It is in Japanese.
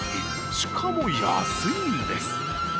しかも安いんです。